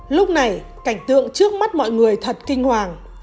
lúc này cảnh tượng trước mắt mọi người thật kinh hoàng